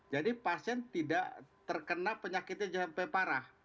jadi pasien tidak terkena penyakitnya sampai parah